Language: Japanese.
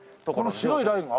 この白いラインが？